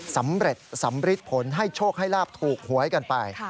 สำเร็จสำริดผลให้โชคให้ลาบถูกหวยกันไป